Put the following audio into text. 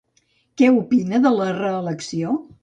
Què opina de la reelecció?